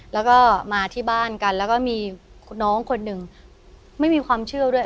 แล้วก็มาที่บ้านกันแล้วก็มีน้องคนหนึ่งไม่มีความเชื่อด้วย